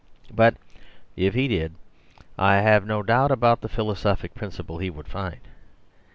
But if he did, I have no doubt about the philosophic principle he would find.